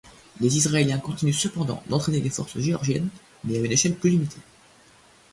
Les Israéliens continuent cependant d'entraîner les forces géorgiennes, mais à une échelle plus limitée.